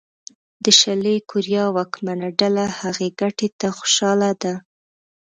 د شلي کوریا واکمنه ډله هغې ګټې ته خوشاله ده.